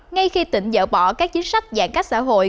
ngay khi tỉnh dỡ bỏ các chính sách giãn cách xã hội